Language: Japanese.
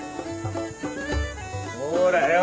ほらよ。